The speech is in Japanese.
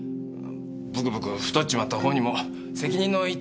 ブクブク太っちまったほうにも責任の一端はある。